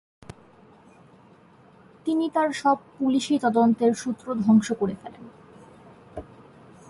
তিনি তার সব পুলিশী তদন্তের সূত্র ধ্বংস করে ফেলেন।